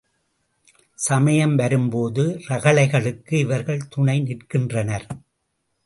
சமயம் வரும்போது ரகளைகளுக்கு இவர்கள் துணை நிற்கின்றனர்.